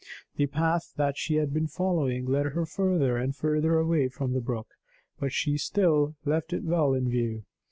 The path that she had been following led her further and further away from the brook, but still left it well in view.